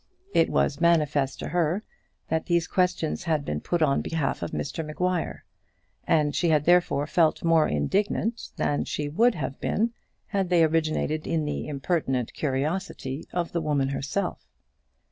It was manifest to her that these questions had been put on behalf of Mr Maguire, and she had therefore felt more indignant than she would have been had they originated in the impertinent curiosity of the woman herself.